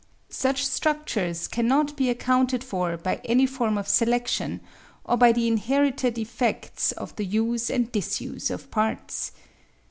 Such structures cannot be accounted for by any form of selection, or by the inherited effects of the use and disuse of parts.